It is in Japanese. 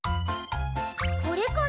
これかな？